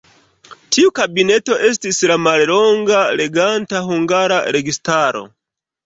Tiu kabineto estis la mallonga reganta hungara registaro.